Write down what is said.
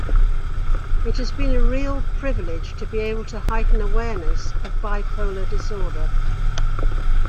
It's been a real privilege to be able to heighten awareness of bipolar disorder.